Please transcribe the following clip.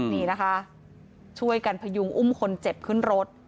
นี่นะคะช่วยกันพยุงอุ้มคนเจ็บขึ้นรถ